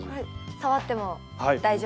触って大丈夫ですか？